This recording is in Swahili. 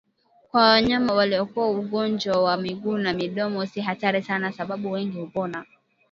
Kwa wanyama waliokua ugonjwa wa miguu na midomo si hatari sana sababu wengi hupona